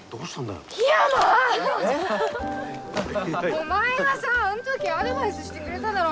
お前がさあんときアドバイスしてくれただろ？